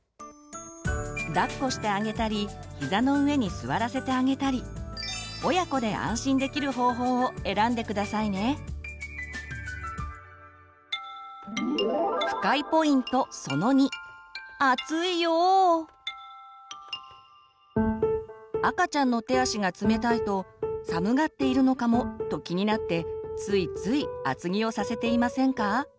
だっこしてあげたりひざの上に座らせてあげたり親子で赤ちゃんの手足が冷たいと「寒がっているのかも？」と気になってついつい厚着をさせていませんか？